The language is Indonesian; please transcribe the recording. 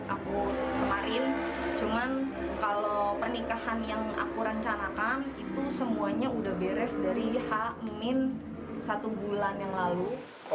aku kemarin cuman kalau pernikahan yang aku rencanakan itu semuanya udah beres dari h satu bulan yang lalu